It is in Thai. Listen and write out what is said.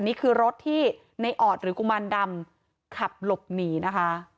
นี่คือรถที่ในออดหรือกุมารดำขับหลบหนีนะคะ